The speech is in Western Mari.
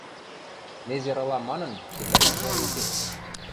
Незер ылам манын, шеклӓнӓш вӓр уке.